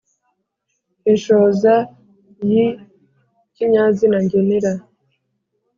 inshoza yi kinyazina ngenera